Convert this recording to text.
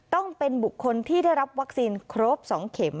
ต้องเป็นบุคคลที่ได้รับวัคซีนครบ๒เข็ม